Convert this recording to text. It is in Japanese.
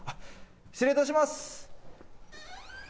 失礼いたします。